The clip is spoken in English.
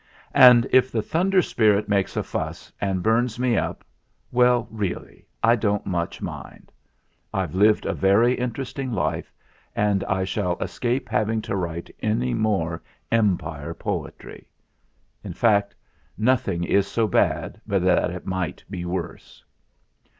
And if the Thunder Spirit makes a fuss and burns me up well, really I don't much mind. I've lived a very interesting life, and I shall escape having to write any more Empire poetry. In fact, nothing is so bad but that it might be worse."